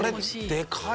でかい！